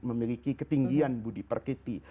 memiliki ketinggian budi perkiti